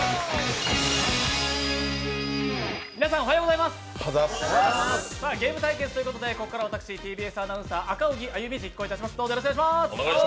皆さん、おはようございますゲーム対決ということでここから私、ＴＢＳアナウンサー赤荻歩、進行いたします。